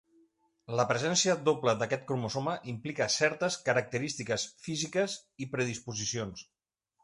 La presència doble d'aquest cromosoma implica certes característiques físiques i predisposicions.